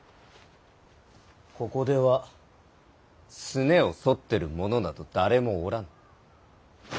ここではすねをそってる者など誰もおらぬ。